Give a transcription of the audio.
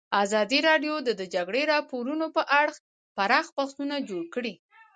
ازادي راډیو د د جګړې راپورونه په اړه پراخ بحثونه جوړ کړي.